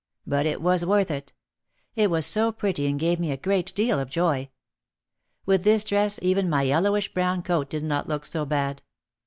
But it was worth it. It was so pretty and gave me a great deal of joy. With this dress even my yellowish brown coat did not look so bad.